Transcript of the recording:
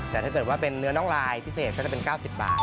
แต่ถ้าเกิดว่าเป็นเนื้อน้องลายพิเศษก็จะเป็น๙๐บาท